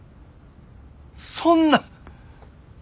そんな！